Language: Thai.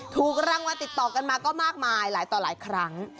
ถูกรางวัลติดต่อกันมาก็มากมายหลายต่อหลายครั้ง